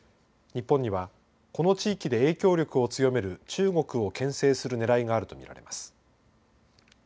日本には、この地域で影響力を強める中国をけん制するねらいがあると見られます。